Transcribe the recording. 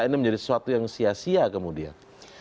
ini menjadi sesuatu yang sia sia kemudian